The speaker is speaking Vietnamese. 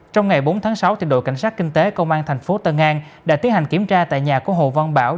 trong ngày bốn tháng sáu đội cảnh sát kinh tế công an thành phố tân an đã tiến hành kiểm tra tại nhà của hồ văn bảo